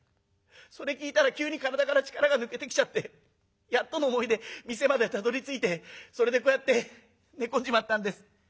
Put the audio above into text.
それ聞いたら急に体から力が抜けてきちゃってやっとの思いで店までたどりついてそれでこうやって寝込んじまったんです」。